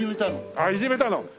ああいじめたの。